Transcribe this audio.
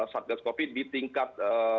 saat saat covid sembilan belas di tingkat